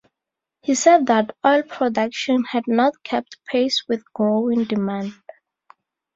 He said that oil production had not kept pace with growing demand.